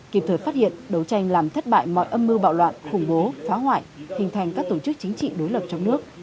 kịp thời phát hiện đấu tranh làm thất bại mọi âm mưu bạo loạn khủng bố phá hoại hình thành các tổ chức chính trị đối lập trong nước